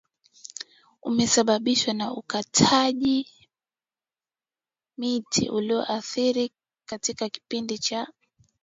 umesababishwa na ukwataji miti uliokithiri katika kipindi cha